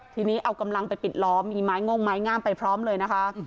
ทีนี้เอากำลังไปปิดล้อมมีไม้ง่งไม้งามไปพร้อมเลยนะคะ